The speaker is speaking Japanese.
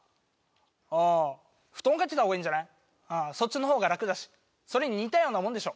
ああ布団かけたほうがいいんじゃないそっちのほうが楽だしそれに似たようなもんでしょ